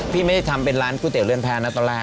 ไม่ได้ทำเป็นร้านก๋วยเตี๋เรือนแพ้นะตอนแรก